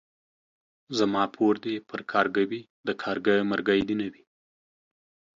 زما پور دي پر کارگه وي ،د کارگه مرگى دي نه وي.